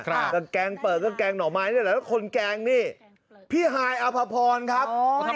แล้วแกงเป๋อก็แกงหน่อมายนี่แหละแล้วคนแกงพี่ฮายอัภพรครับ